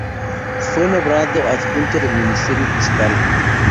Fue nombrado adjunto del Ministerio Fiscal.